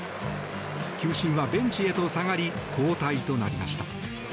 球審はベンチへと下がり交代となりました。